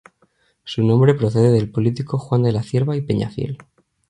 Su nombre procede del político Juan de la Cierva y Peñafiel.